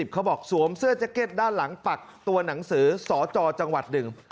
เขาบอกสวมเสื้อแจ๊คเก็ตด้านหลังฝักตัวหนังสือสจจนึง